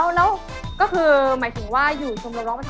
อ้าวแล้วก็คือหมายถึงว่าอยู่ชมร้องประสานเสียงด้วย